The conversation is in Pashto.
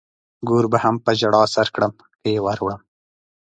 ګور به هم په ژړا سر کړم که يې ور وړم.